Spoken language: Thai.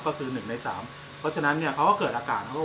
ก็คือหนึ่งในสามเพราะฉนั้นเนี้ยเขาก็เกิดอากาศเขา